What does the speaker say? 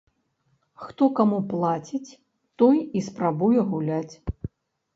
Хто каму плаціць, той і спрабуе гуляць.